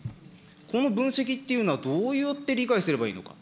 この分析っていうのは、どうやって理解すればいいのか。